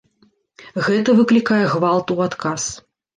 Гэта выклікае гвалт у адказ.